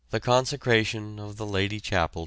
] CONSECRATION OF THE LADY CHAPEL.